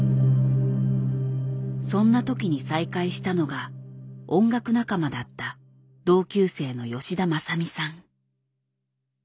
そんなときに再会したのが音楽仲間だった同級生の吉田政美さん。